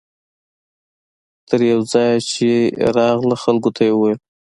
تر یوه ځایه چې راغله خلکو ته یې وویل.